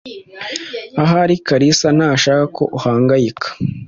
Ahari Kalisa ntashaka ko uhangayika.